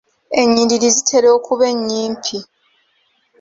Ennyiriri zitera okuba ennyimpi.